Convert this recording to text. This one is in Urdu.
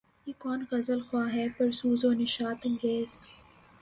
یہ کون غزل خواں ہے پرسوز و نشاط انگیز